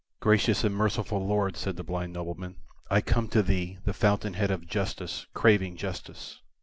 "Gracious and merciful Lord," said the blind nobleman, "I come to thee, the fountain head of justice, craving justice.